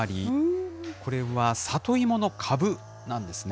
これは里芋の株なんですね。